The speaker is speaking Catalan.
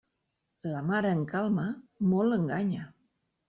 La mar en calma molt enganya.